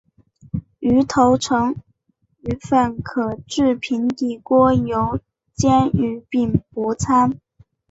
芋头成芋粉可以制平底锅油煎芋饼薄餐。